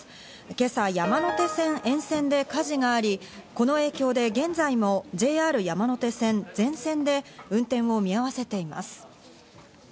今朝、山手線沿線で火事があり、この影響で現在もＪＲ山手線全線で運転を見合わせています。